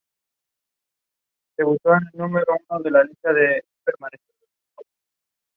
La final del campeonato fue disputada por las selecciones de Portugal e Italia.